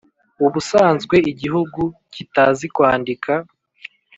ubusanzwe igihugu kitazi kwandika,